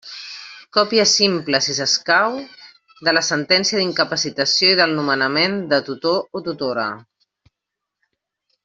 Còpia simple, si escau, de la sentència d'incapacitació i del nomenament de tutor o tutora.